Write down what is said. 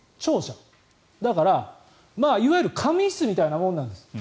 だから、いわゆる仮眠室みたいなものなんです。